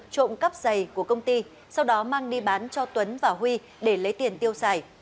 trộm cắp giày của công ty sau đó mang đi bán cho tuấn và huy để lấy tiền tiêu xài